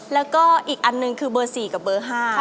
แล้วก็อีกอันหนึ่งคือเบอร์๔กับเบอร์๕